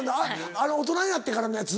あの大人になってからのやつ？